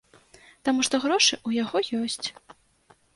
Таму што грошы ў яго ёсць.